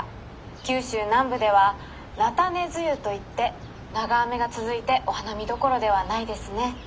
九州南部では菜種梅雨といって長雨が続いてお花見どころではないですね」。